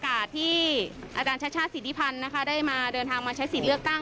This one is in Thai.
กลับไปที่เต็มเปิลโอ้มีหลิปริงอันดับหนึ่งอันดับหนึ่ง